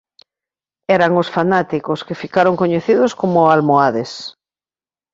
Eran os fanáticos que ficaron coñecidos como Almohades.